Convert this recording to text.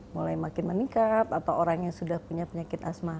mulai makin meningkat atau orang yang sudah punya penyakit asma